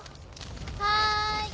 はい！